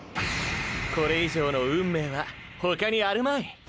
これ以上の“運命”は他にあるまい！！